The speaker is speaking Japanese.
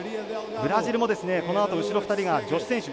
ブラジルもこのあと後ろ２人が女子選手。